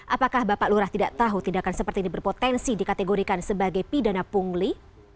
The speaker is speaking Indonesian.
apakah bapak lurah tidak tahu tindakan seperti ini berpotensi dikategorikan sebagai pidana pungli